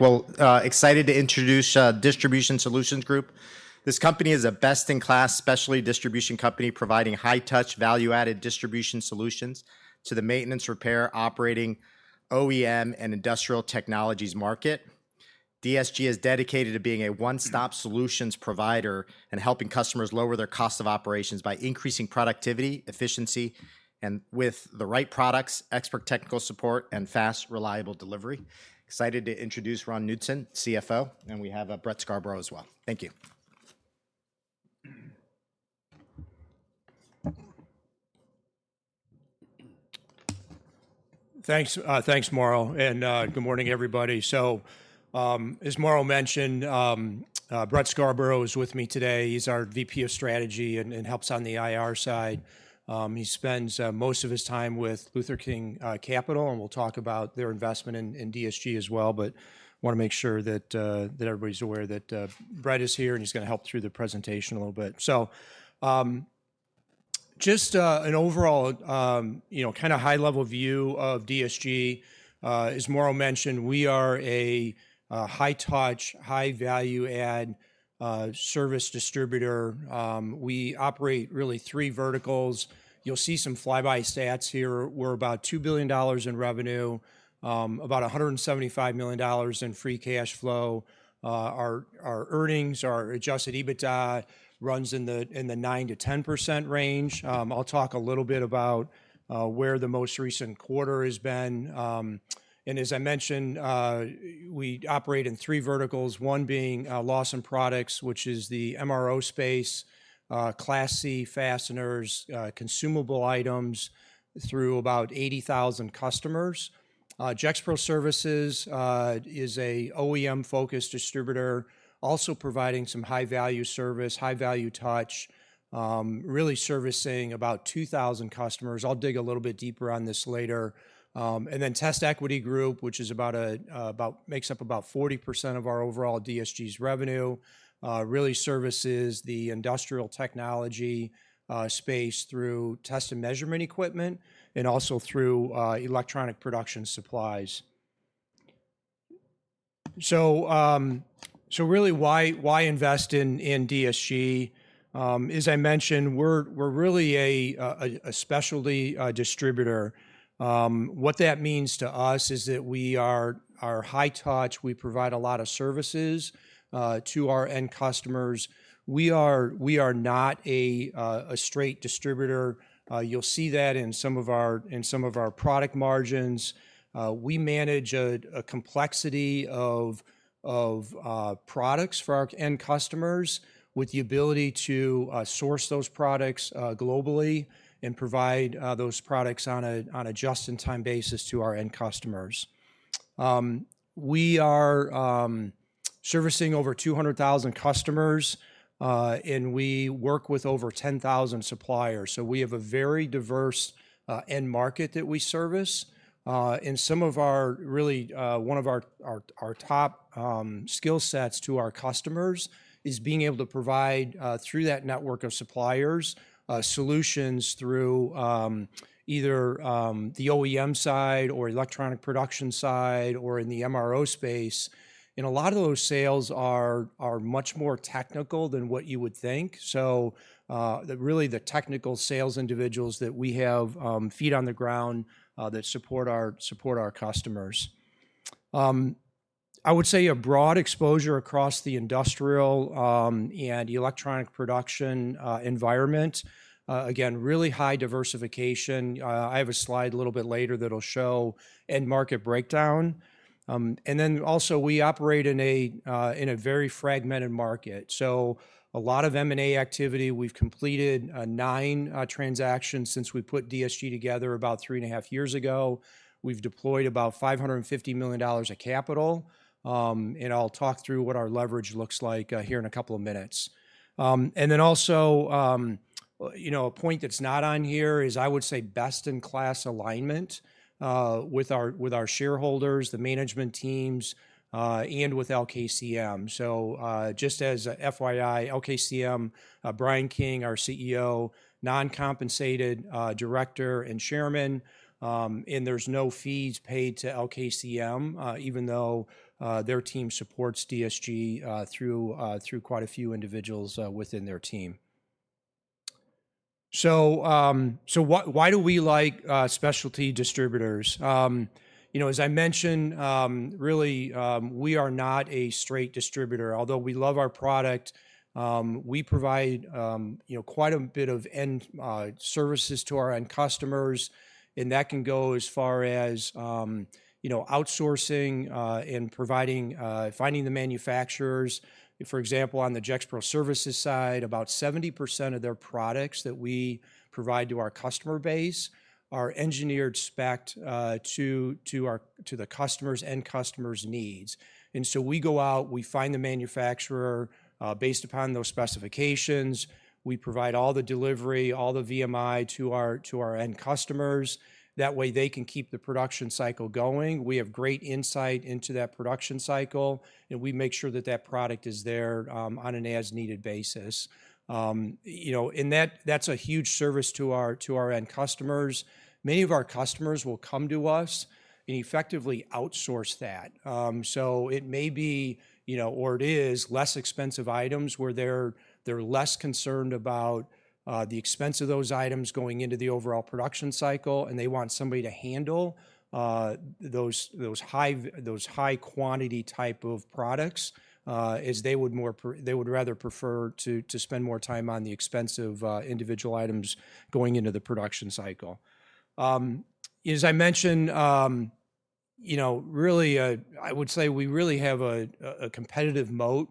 Well, excited to introduce, Distribution Solutions Group. This company is a best in class specialty distribution company providing high touch value added distribution solutions to the maintenance repair operating OEM and industrial technologies market. DSG is dedicated to being a one stop solutions provider and helping customers lower their cost of operations by increasing productivity, efficiency, and with the right products, expert technical support, and fast, reliable delivery. Excited to introduce Ron Knutson, CFO, and we have Brett Scarborough as well. Thank you. Thanks. Thanks, Mauro, and, good morning, everybody. So, as Mauro mentioned, Brett Scarborough is with me today. He's our VP of strategy and and helps on the IR side. He spends most of his time with Luther King Capital and we'll talk about their investment in in DSG as well. But wanna make sure that that everybody's aware that Brett is here and he's gonna help through the presentation a little bit. So just an overall, know, kind of high level view of DSG. As Mauro mentioned, we are a high touch, high value add service distributor. We operate really three verticals. You'll see some flyby stats here. We're about $2,000,000,000 in revenue, about a $175,000,000 in free cash flow. Our earnings, our adjusted EBITDA runs in 9% to 10% range. I'll talk a little bit about where the most recent quarter has been. And as I mentioned, we operate in three verticals, one being Lawson Products, which is the MRO space, class c fasteners, consumable items through about 80,000 customers. Jexpro Services is a OEM focused distributor, also providing some high value service, high value touch, really servicing about 2,000 customers. I'll dig a little bit deeper on this later. And then Test Equity Group, which makes up about 40% of our overall DSG's revenue, really services the industrial technology space through test and measurement equipment and also through electronic production supplies. So really why invest in DSG? As I mentioned, we're we're really a specialty distributor. What that means to us is that we are are high touch. We provide a lot of services to our end customers. We are not a straight distributor. You'll see that in some of our product margins. We manage a complexity of products for our end customers with the ability to source those products globally and provide those products on a just in time basis to our end customers. We are servicing over 200,000 customers, and we work with over 10,000 suppliers. So we have a very diverse end market that we service. And some of our really, one of our top skill sets to our customers is being able to provide through that network of suppliers solutions through either the OEM side or electronic production side or in the MRO space. And a lot of those sales are much more technical than what you would think. So really the technical sales individuals that we have feet on the ground that support our customers. I would say a broad exposure across the industrial and electronic production environment. Again, really high diversification. I have a slide a little bit later that'll show end market breakdown. And then also we operate in a very fragmented market. So a lot of M and A activity, we've completed nine transactions since we put DSG together about three and a half years ago. We've deployed about $550,000,000 of capital. And I'll talk through what our leverage looks like here in a couple of minutes. And then also, you know, a point that's not on here is I would say best in class alignment with our with our shareholders, the management teams, and with LKCM. So just as a FYI, LKCM, Brian King, our CEO, non compensated director and chairman, and there's no fees paid to LKCM even though their team supports DSG through quite a few individuals within their team. Why do we like specialty distributors? As I mentioned, really we are not a straight distributor. Although we love our product, we provide quite a bit of end services to our end customers, and that can go as far as outsourcing and providing, finding the manufacturers. For example, on the JexPro services side, about 70% of their products that we provide to our customer base are engineered spec to the customers' end customers' needs. And so we go out, we find the manufacturer based upon those specifications, we provide all the delivery, all the VMI to our end customers. That way they can keep the production cycle going. We have great insight into that production cycle, and we make sure that that product is there on an as needed basis. You know, and that that's a huge service to our to our end customers. Many of our customers will come to us and effectively outsource that. So it may be, you know, or it is less expensive items where they're they're less concerned about the expense of those items going into the overall production cycle and they want somebody to handle those high quantity type of products, as they would rather prefer to spend more time on the expensive individual items going into the production cycle. As I mentioned, really I would say we really have a competitive moat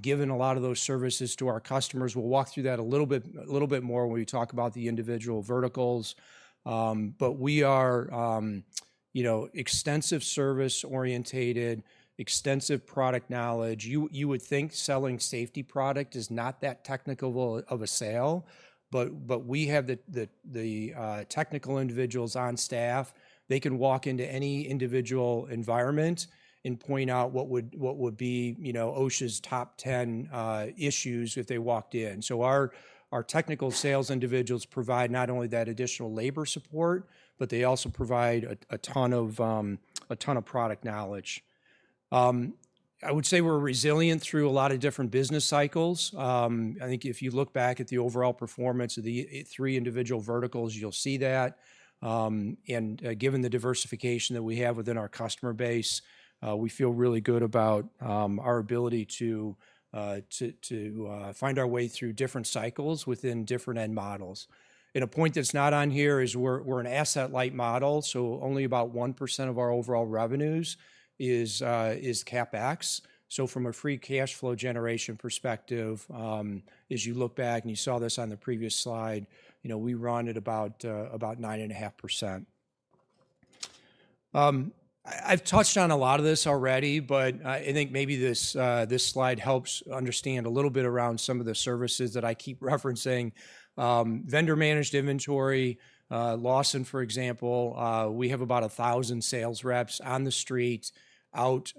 given a lot of those services to our customers. We'll walk through that a little bit more when we talk about the individual verticals. But we are extensive service orientated, extensive product knowledge. You would think selling safety product is not that technical of a sale, but we have the technical individuals on staff. They can walk into any individual environment and point out what would be OSHA's top 10 issues if they walked in. So our technical sales individuals provide not only that additional labor support, but they also provide a ton of product knowledge. I would say we're resilient through a lot of different business cycles. I think if you look back at the overall performance of the three individual verticals, you'll see that. And given the diversification that we have within our customer base, we feel really good about our ability find our way through different cycles within different end models. And a point that's not on here is we're an asset light model, so only about 1% of our overall revenues is CapEx. So from a free cash flow generation perspective, as you look back and you saw this on the previous slide, you know, we run at about 9.5%. I've touched on a lot of this already, but I think maybe this slide helps understand a little bit around some of the services that I keep referencing. Vendor managed inventory, Lawson, for example, we have about a thousand sales reps on the street out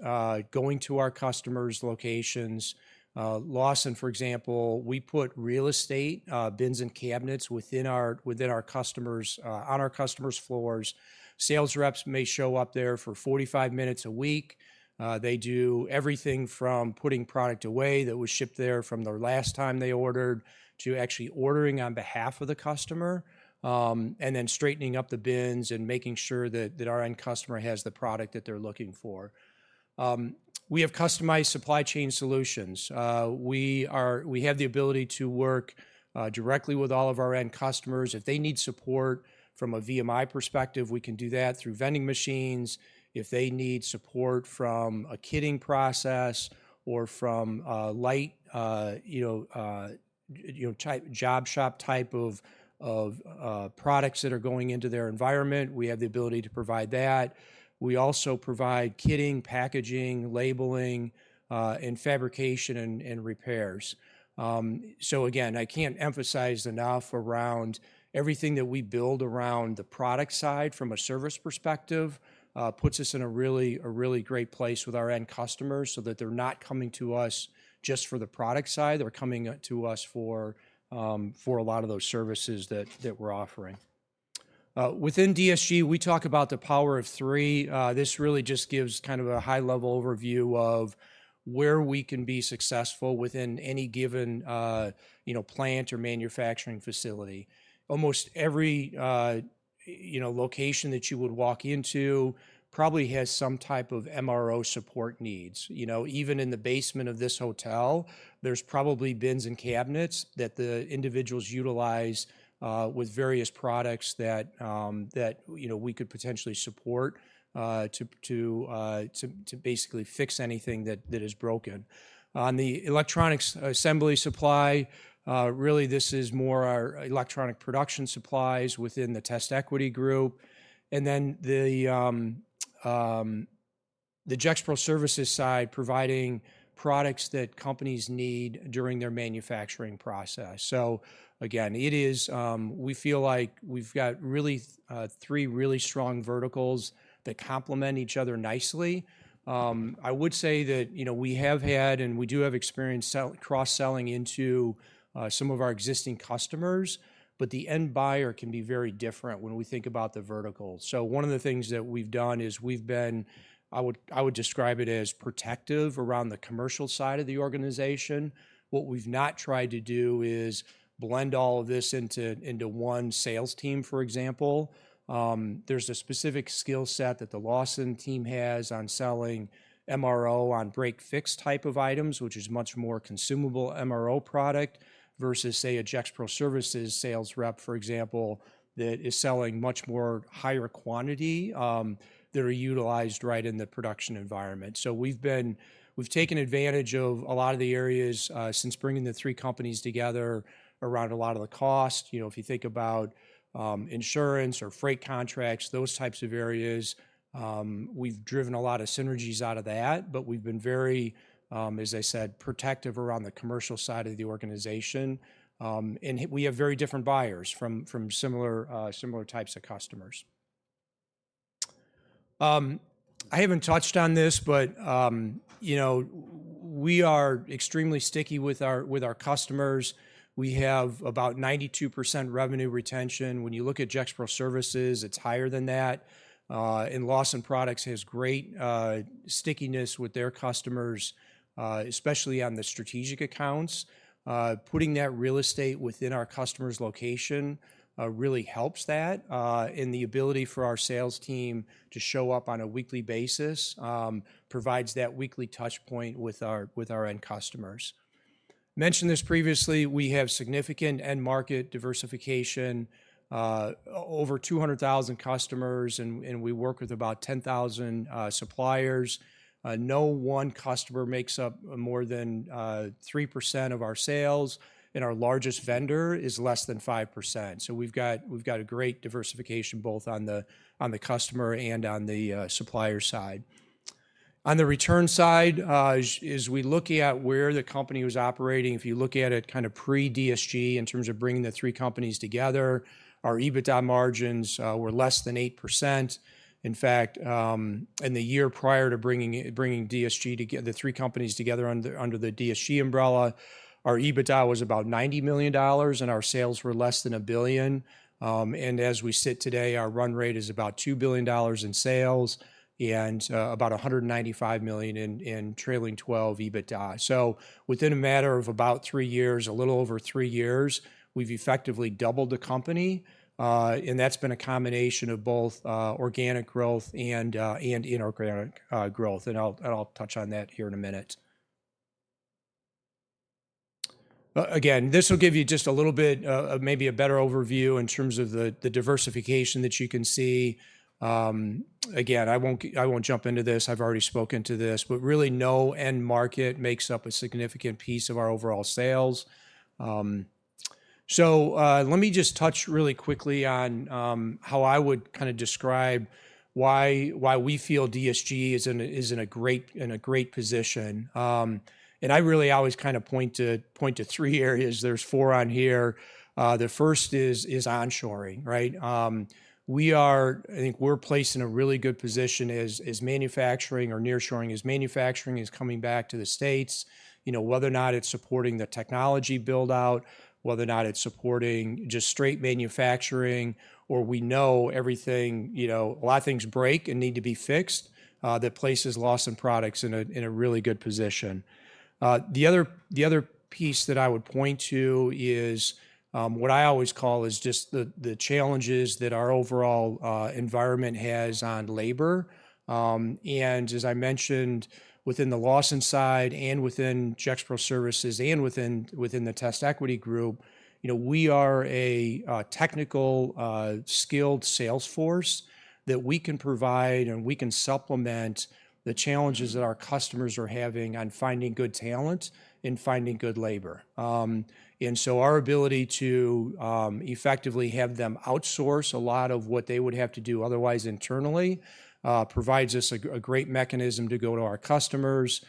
going to our customers locations. Lawson, for example, we put real estate bins and cabinets within our customers, on our customers floors. Sales reps may show up there for forty five minutes a week. They do everything from putting product away that was shipped there from the last time they ordered to actually ordering on behalf of the customer, and then straightening up the bins and making sure that our end customer has the product that they're looking for. We have customized supply chain solutions. We have the ability to work directly with all of our end customers. If they need support from a VMI perspective, we can do that through vending machines. If they need support from a kitting process or from light, know, job shop type of products that are going into their environment, we have the ability to provide that. We also provide kitting, packaging, labeling, and fabrication and repairs. So again, I can't emphasize enough around everything that we build around the product side from a service perspective, puts us in a really great place with our end customers so that they're not coming to us just for the product side, they're coming to us for a lot of those services that we're offering. Within DSG, we talk about the power of three. This really just gives kind of a high level overview of where we can be successful within any given plant or manufacturing facility. Almost every location that you would walk into probably has some type of MRO support needs. Even in the basement of this hotel, there's probably bins and cabinets that the individuals utilize with various products that we could potentially support to basically fix anything that is broken. On the electronics assembly supply, really this is more our electronic production supplies within the test equity group. And then the Jexpro services side providing products that companies process. So again, we feel like we've got three really strong verticals that complement each other nicely. I would say that we have had and we do have experience cross selling into some of our existing customers, but the end buyer can be very different when we think about the verticals. So one of the things that we've done is we've been, I would describe it as protective around the commercial side of the organization. What we've not tried to do is blend all of this into one sales team for example. There's a specific skill set that the Lawson team has on selling MRO on break fix type of items, which is much more consumable MRO product versus say a JexPro services sales rep, for example, that is selling much more higher quantity that are utilized right in the production environment. So we've taken advantage of a lot of the areas since bringing the three companies together around a lot of the cost. You know, if you think about insurance or freight contracts, those types of areas, we've driven a lot of synergies out of that, but we've been very, as I said, protective around the commercial side of the organization. And we have very different buyers from similar types of customers. I haven't touched on this, but we are extremely sticky with our customers. We have about 92% revenue retention. When you look at Jexpro services, it's higher than that. And Lawson Products has great stickiness with their customers, especially on the strategic accounts. Putting that real estate within our customer's location really helps that. And the ability for our sales team to show up on a weekly basis provides that weekly touch point with our end customers. Mentioned this previously, we have significant end market diversification, over 200,000 customers and we work with about 10,000 suppliers. No one customer makes up more than 3% of our sales and our largest vendor is less than 5%. So we've got a great diversification both on the customer and on the supplier side. On the return side, we look at where the company was operating, if you look at it kind of pre DSG in terms of bringing the three companies together, our EBITDA margins were less than 8%. In fact, in the year prior to bringing bringing DSG to get the three companies together under under the DSG umbrella, our EBITDA was about $90,000,000 and our sales were less than a billion. And as we sit today, our run rate is about $2,000,000,000 in sales and about a 195,000,000 in in trailing 12 EBITDA. So within a matter of about three years, a little over three years, we've effectively doubled the company, and that's been a combination of both organic growth and and inorganic growth, and I'll touch on that here in a minute. Again, this will give you just a little bit of maybe a better overview in terms of the diversification that you can see. Again, I won't jump into this. I've already spoken to this, but really no end market makes up a significant piece of our overall sales. So let me just touch really quickly on how I would kind of describe why why we feel DSG is in a is in a great in a great position. And I really always kind of point to point to three areas. There's four on here. The first is is onshoring. Right? We are I think we're placed in a really good position as as manufacturing or near shoring as manufacturing is coming back to The States. You know, whether or not it's supporting the technology build out, whether or not it's supporting just straight manufacturing, or we know everything, a lot of things break and need to be fixed, that places Lawson Products in a really good position. The other piece that I would point to is what I always call is just the challenges that our overall environment has on labor. And as I mentioned, within the Lawson side and within Jexpro Services and within the Test Equity Group, you know, we are a technical skilled sales force that we can provide and we can supplement the challenges that our customers are having on finding good talent and finding good labor. And so our ability to effectively have them outsource a lot of what they would have to do otherwise internally provides us a a great mechanism to go to our customers.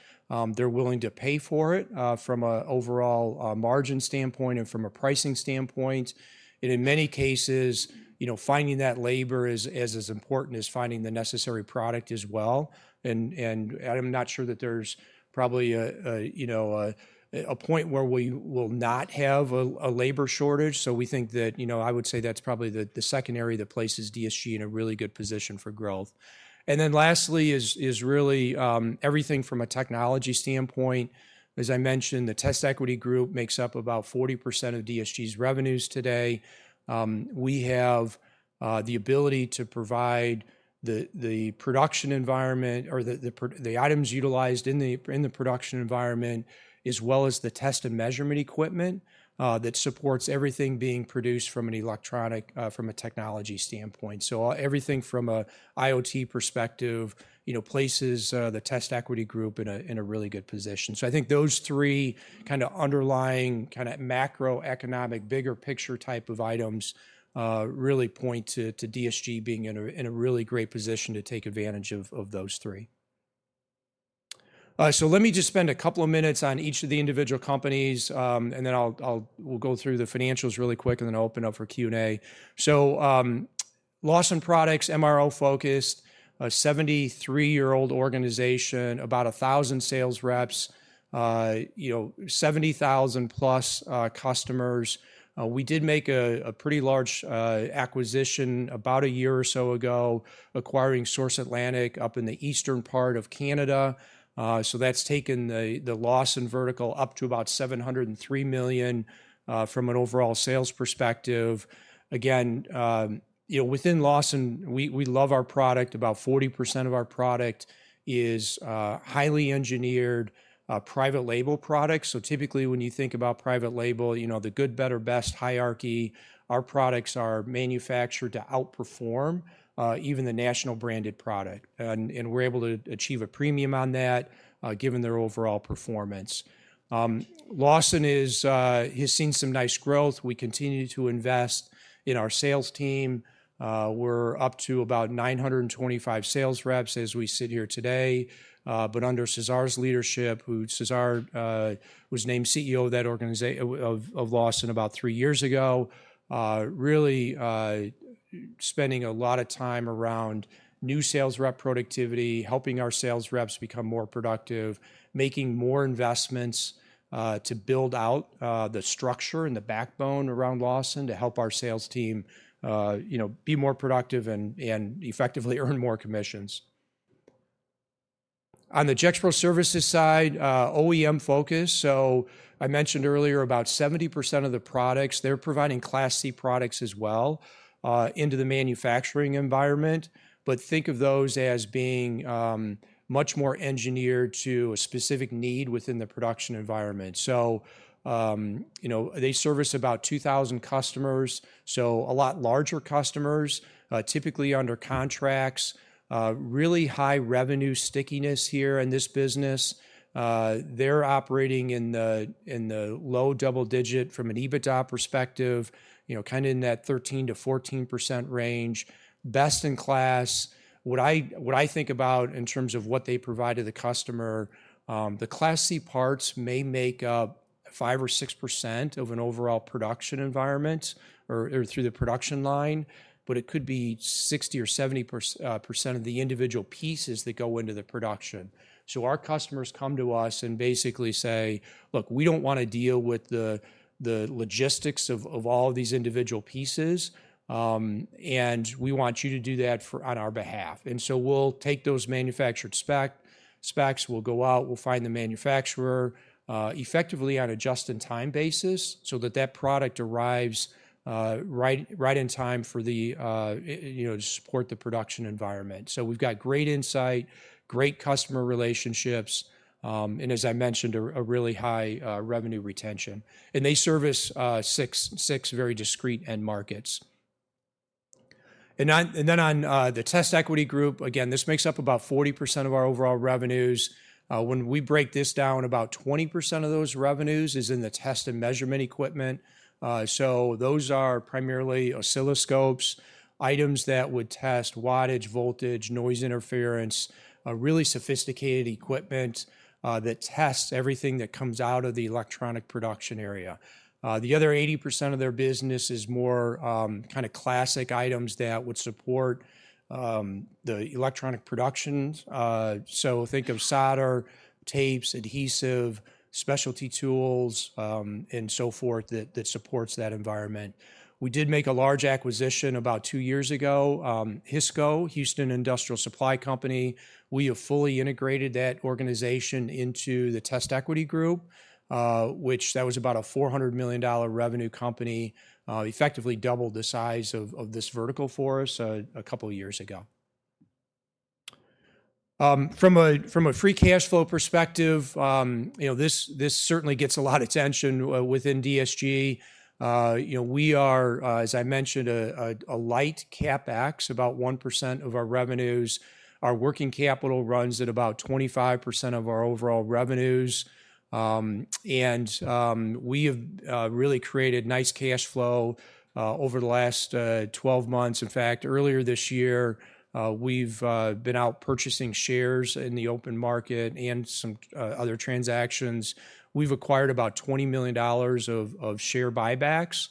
They're willing to pay for it from a overall margin standpoint and from a pricing standpoint. And in many cases, you know, finding that labor is as important as finding the necessary product as well. And and I'm not sure that there's probably a a, you know, a point where we will not have a labor shortage. So we think that, you know, I would say that's probably the the secondary that places DSG in a really good position for growth. And then lastly is is really everything from a technology standpoint. As I mentioned, the Test Equity Group makes up about 40% of DSG's revenues today. We have the ability to provide the production environment or the items utilized in the production environment, as well as the test and measurement equipment that supports everything being produced from an electronic from a technology standpoint. So everything from a IoT perspective, you know, places the test equity group in a in a really good position. So I think those three kinda underlying kinda macroeconomic bigger picture type of items really point to to DSG being in a in a really great position to take advantage of of those three. So let me just spend a couple of minutes on each of the individual companies, and then I'll I'll we'll go through the financials really quick and then open up for q and a. So Lawson Products, MRO focused, a 73 year old organization, about a thousand sales reps, you know, 70,000 plus customers. We did make a a pretty large acquisition about a year or so ago acquiring Source Atlantic up in the Eastern Part Of Canada. So that's taken the the Lawson vertical up to about 703,000,000 from an overall sales perspective. Again, within Lawson, we love our product. About 40% of our product is highly engineered private label products. So typically when you think about private label, the good, better, best hierarchy, our products are manufactured to outperform even the national branded product. And and we're able to achieve a premium on that given their overall performance. Lawson is he's seen some nice growth. We continue to invest in our sales team. We're up to about 925 sales reps as we sit here today. But under Cesar's leadership, Cesar was named CEO of that organization of of Lawson about three years ago, really spending a lot of time around new sales rep productivity, helping our sales reps become more productive, making more investments to build out the structure and the backbone around Lawson to help our sales team be more productive and effectively earn more commissions. On the Jexpro services side, OEM focus. So I mentioned earlier about 70 of the products, they're providing class c products as well into the manufacturing environment. But think of those as being much more engineered to a specific need within the production environment. You know, they service about 2,000 customers. So a lot larger customers, typically under contracts, really high revenue stickiness here in this business. They're operating in the in the low double digit from an EBITDA perspective, you know, kinda in that 13 to 14% range, best in class. What I what I think about in terms of what they provide to the customer, the Class C parts may make up five or 6% of an overall production environment or or through the production line, but it could be 60 or 70% of the individual pieces that go into the production. So our customers come to us and basically say, look, we don't wanna deal with the the logistics of of all these individual pieces, and we want you to do that for on our behalf. And so we'll take those manufactured spec specs, we'll go out, we'll find the manufacturer effectively on a just in time basis so that that product arrives right right in time for the you know, to support the production environment. So we've got great insight, great customer relationships, and as I mentioned, really high revenue retention. And they service six very discrete end markets. And then on the test equity group, again, this makes up about 40% of our overall revenues. When we break this down, about 20% of those revenues is in the test and measurement equipment. So those are primarily oscilloscopes, items that would test wattage, voltage, noise interference, a really sophisticated equipment that tests everything that comes out of the electronic production area. The other 80% of their business is more kind of classic items that would support the electronic productions. So think of solder, tapes, adhesive, specialty tools, and so forth that that supports that environment. We did make a large acquisition about two years ago. Hisco, Houston Industrial Supply Company, we have fully integrated that organization into the Test Equity Group, which that was about a $400,000,000 revenue company, effectively doubled the size of of this vertical for us a couple years ago. From a free cash flow perspective, this certainly gets a lot of attention within DSG. We are, as I mentioned, a light CapEx, about 1% of our revenues. Our working capital runs at about 25% of our overall revenues. And we have really created nice cash flow over the last twelve months. In fact, earlier this year, we've been out purchasing shares in the open market and some other transactions. We've acquired about $20,000,000 of of share buybacks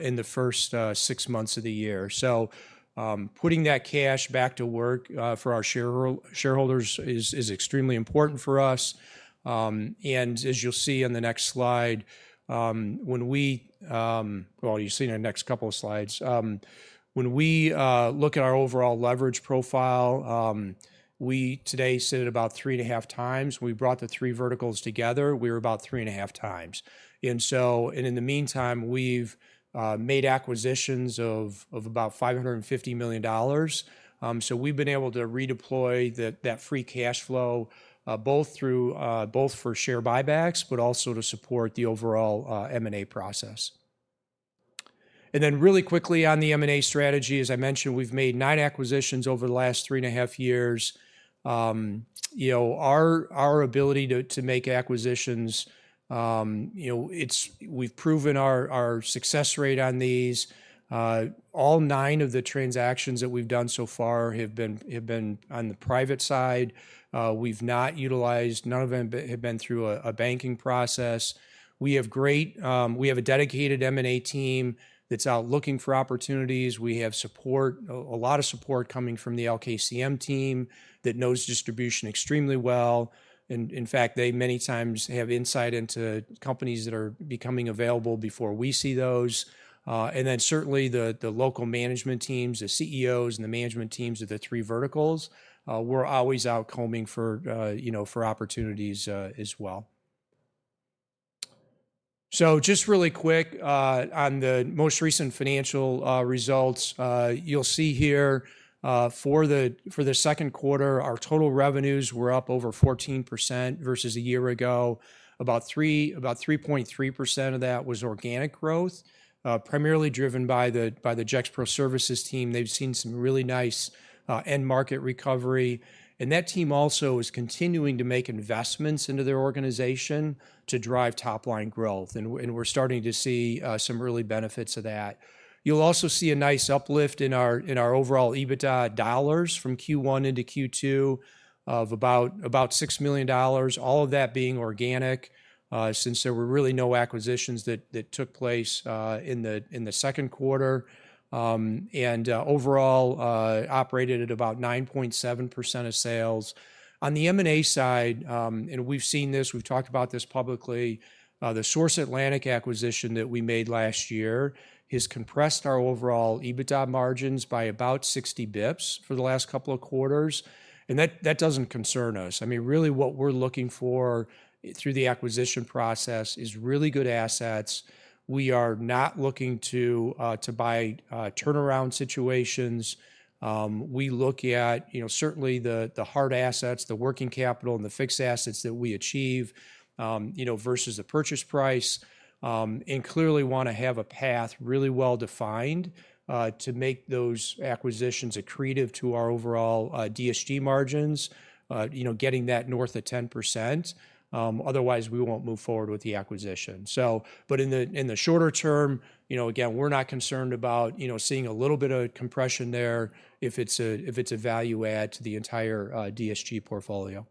in the first six months of the year. So putting that cash back to work for our shareholders is extremely important for us. And as you'll see in the next slide, when we well, you've seen our next couple of slides. When we look at our overall leverage profile, we today sit at about three and a half times. We brought the three verticals together. We were about three and a half times. And so and in the meantime, we've made acquisitions of of about $550,000,000. So we've been able to redeploy that that free cash flow both through both for share buybacks, but also to support the overall m and a process. And then really quickly on the M and A strategy, as I mentioned, we've made nine acquisitions over the last three and a half years. You know, ability to make acquisitions, you know, it's we've proven our our success rate on these. All nine of the transactions that we've done so far have been have been on the private side. We've not utilized none of them have been through a banking process. We have great we have a dedicated m and a team that's out looking for opportunities. We have support a lot of support coming from the LKCM team that knows distribution extremely well. And in fact, they many times have insight into companies that are becoming available before we see those. And then certainly the local management teams, the CEOs and the management teams of the three verticals, we're always out combing for opportunities as well. So just really quick on the most recent financial results, you'll see here for the second quarter, our total revenues were up over 14% versus a year ago. About three about 3.3% of that was organic growth, primarily driven by the by the JexPro services team. They've seen some really nice, end market recovery. And that team also is continuing to make investments into their organization to drive top line growth, and we're to see some early benefits of that. You'll also see a nice uplift in our overall EBITDA dollars from q one into q two of about $6,000,000, all of that being organic since there were really no acquisitions that that took place in the in the second quarter. And overall, operated at about 9.7% of sales. On the m and a side, and we've seen this, we've talked about this publicly, the Source Atlantic acquisition that we made last year has compressed our overall EBITDA margins by about 60 bps for the last couple of quarters, and that that doesn't concern us. I mean, really what we're looking for through the acquisition process is really good assets. We are not looking to to buy turnaround situations. We look at, you know, certainly the the hard assets, the working capital, and the fixed assets that we achieve, you know, versus the purchase price. And clearly wanna have a path really well defined to make those acquisitions accretive to our overall DSG margins, you know, getting that north of 10%. Otherwise, we won't move forward with the acquisition. But in the shorter term, again, we're not concerned about seeing a little bit of compression there if it's a value add to the entire DSG portfolio.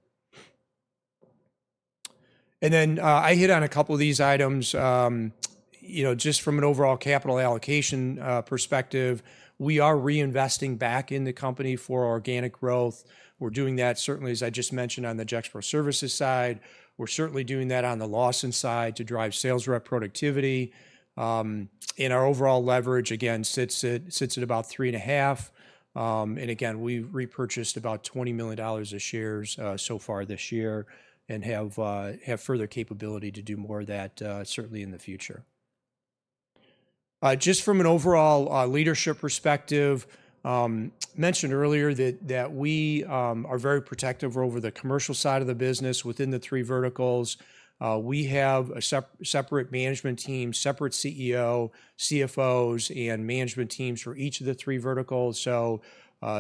And then I hit on a couple of these items. You know, just from an overall capital allocation perspective, we are reinvesting back in the company for organic growth. We're doing that certainly, as I just mentioned, on the Jexpr services side. We're certainly doing that on the Lawson side to drive sales rep productivity. And our overall leverage again sits at sits at about three and a half. And again, we've repurchased about $20,000,000 of shares so far this year and have, have further capability to do more of that, certainly in the future. Just from an overall, leadership perspective, mentioned earlier that that we, are very protective over the commercial side of the business within the three verticals. We have a separate management team, separate CEO, CFOs, and management teams for each of the three verticals. So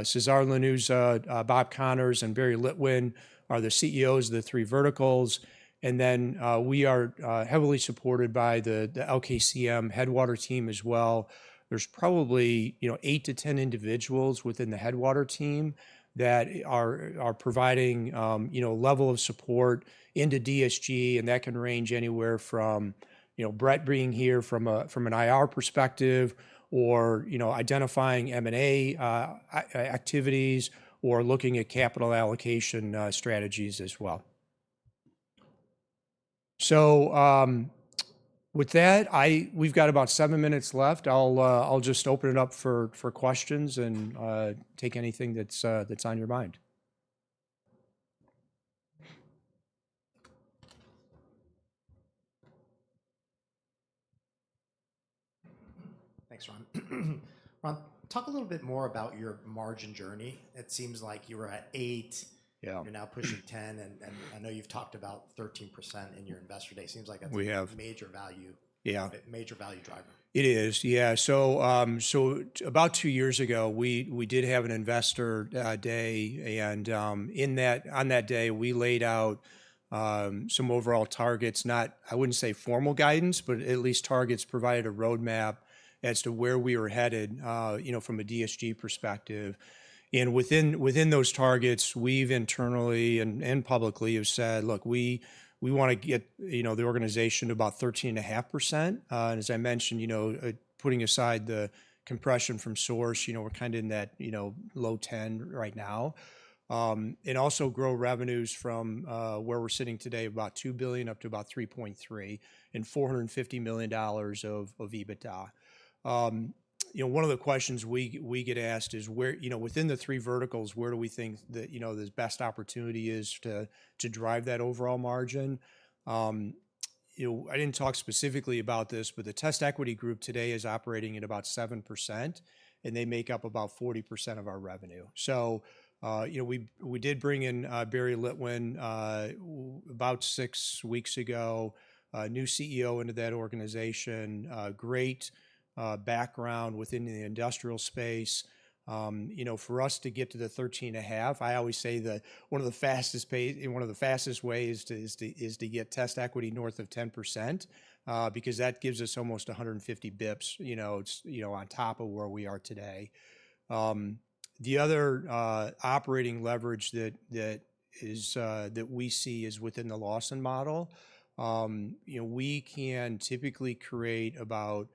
Cesar Lanuza, Bob Connors, and Barry Litwin are the CEOs of the three verticals. And then we are heavily supported by the the LKCM Headwater team as well. There's probably, you know, eight to 10 individuals within the Headwater team that are are providing, you know, level of support into DSG, and that can range anywhere from, you know, Brett being here from a from an IR perspective or, you know, identifying m and a activities or looking at capital allocation strategies as well. So with that, we've got about seven minutes left. I'll just open it up for questions and take anything that's on your mind. Thanks, Ron. Ron, talk a little bit more about your margin journey. It seems like you were at eight. You're now pushing 10. And I know you've talked about 13% in your Investor Day. Seems like that's a major value driver. It is. Yeah. So about two years ago, we did have investor day and in that on that day, we laid out some overall targets, not I wouldn't say formal guidance, but at least targets provided a road map as to where we were headed, you know, from a DSG perspective. And within within those targets, we've internally and and publicly have said, look, we we wanna get, you know, the organization about 13 and a half percent. And as I mentioned, you know, putting aside the compression from source, you know, we're kinda in that, you know, low 10 right now. And also grow revenues from where we're sitting today about 2,000,000,000 up to about 3.3 and $450,000,000 of of EBITDA. You know, one of the questions we we get asked is where you know, within the three verticals, where do we think that, you know, this best opportunity is to to drive that overall margin? You know, I didn't talk specifically about this, but the Test Equity Group today is operating at about 7% and they make up about 40% of our revenue. So we did bring in Barry Litwin about six weeks ago, new CEO into that organization, great background within the industrial space. You know, for us to get to the 13 and a half, I always say that one of the fastest ways to is to get test equity north of 10% because that gives us almost 150 bips, you know, on top of where we are today. The other operating leverage that we see is within the Lawson model. You know, we can typically create about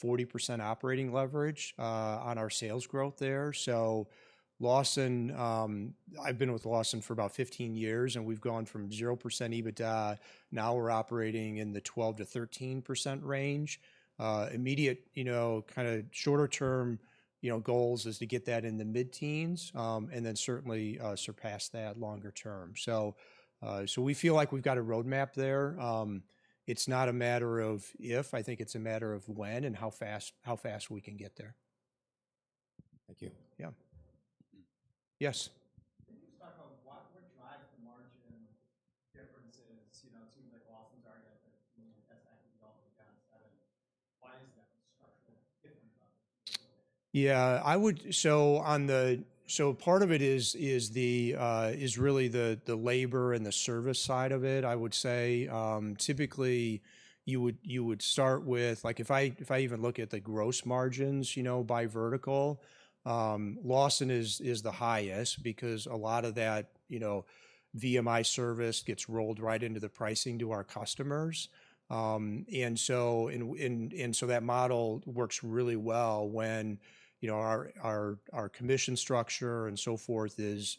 40% operating leverage on our sales growth there. So Lawson I've been with Lawson for about fifteen years, and we've gone from 0% EBITDA. Now we're operating in the 12 to 13% range. Immediate, you know, kinda shorter term, you know, goals is to get that in the mid teens and then certainly surpass that longer term. So so we feel like we've got a road map there. It's not a matter of if. I think it's a matter of when and how fast how fast we can get there. Thank you. Yeah. Yes. Yeah. I would so on the so part of it is really the labor and the service side of it, I would say. Typically, you would start with, like if I even look at the gross margins by vertical, Lawson is the highest because a lot of that VMI service gets rolled right into the pricing to our customers. And so that model works really well when our commission structure and so forth is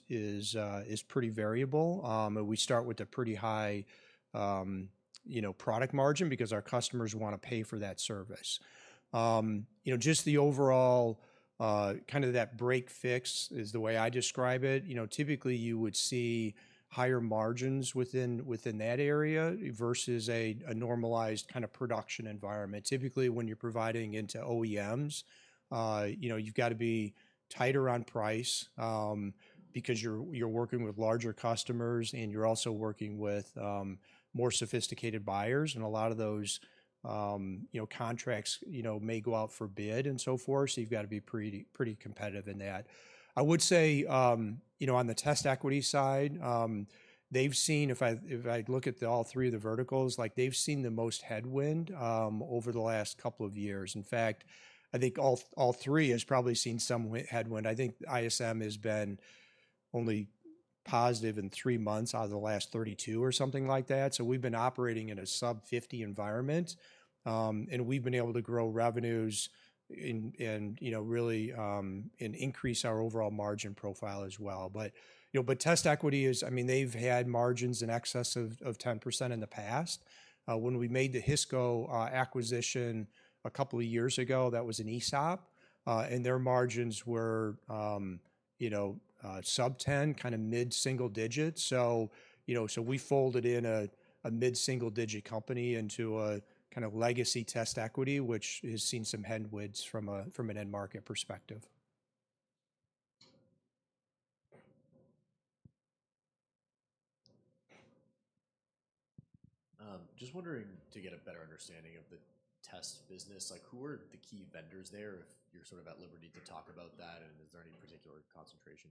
pretty variable. We start with a pretty high product margin because our customers want to pay for that service. Just the overall kind of that break fix is the way I describe it. You know, typically, would see higher margins within within that area versus a a normalized kind of production environment. Typically, when you're providing into OEMs, you know, you've got to be tighter on price because you're you're working with larger customers and you're also working with more sophisticated buyers. And a lot of those, you know, contracts, you know, may go out for bid and so forth. So you've gotta be pretty pretty competitive in that. I would say, you know, on the test equity side, they've seen if I if I look at the all three of the verticals, like, they've seen the most headwind over the last couple of years. In fact, I think all three has probably seen some headwind. I think ISM has been only positive in three months out of the last thirty two or something like that. So we've been operating in a sub 50 environment. And we've been able to grow revenues really increase our overall margin profile as well. But TestEquity is, I mean, they've had margins in excess of 10% in the past. When we made the Hisco acquisition a couple of years ago, that was an ESOP, and their margins were sub 10, kind of mid single digits. So we folded in a mid single digit company into a kind of legacy test equity, which has seen some headwinds from an end market perspective. Just wondering to get a better understanding of the test business, who are the key vendors there if you're sort of at liberty to talk about that? And is there any particular concentration?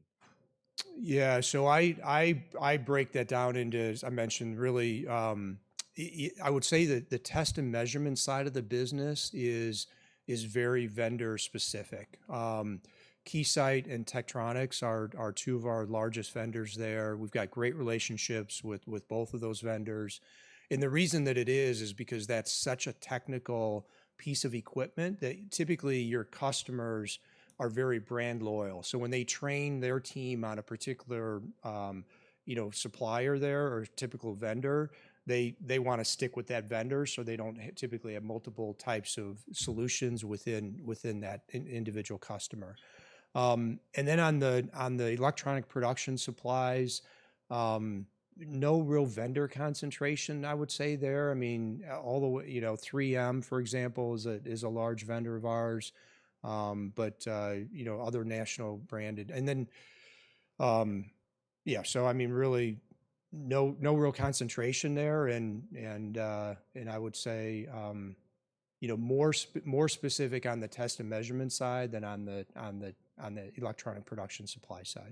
Yeah, so I break that down into, as I mentioned really, I would say that the test and measurement side of the business is very vendor specific. Keysight and Tektronix are two of our largest vendors there. We've got great relationships with both of those vendors. And the reason that it is is because that's such a technical piece of equipment that typically your customers are very brand loyal. So when they train their team on a particular supplier there or typical vendor, they want to stick with that vendor so they don't typically have multiple types of solutions within within that individual customer. And then on electronic production supplies, no real vendor concentration I would say there. I mean, all the way, three m for example is a large vendor of ours, But other national branded. And then, yeah, so I mean really no real concentration there. And I would say you know, more specific on the test and measurement side than on the on the on the electronic production supply side.